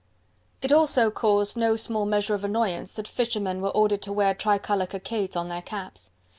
It also caused no small measure of annoyance that fishermen were ordered to wear tricolour cockades on their caps.